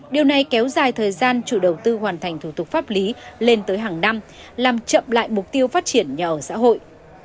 điều này kéo dài thời gian chủ đầu tư hoàn thành thủ tục pháp lý lên tới hàng năm làm chậm lại mục tiêu phát triển nhà ở xã hội